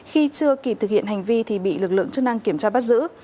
khi chưa kịp thực hiện hành vi thì bị lực lượng chức năng kiểm tra bắt giữ